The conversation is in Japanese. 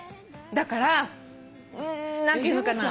だからうん何ていうのかな。